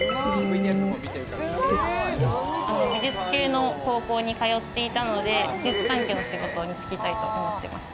美術系の高校に通っていたので、美術関係の仕事に就きたいと思ってました。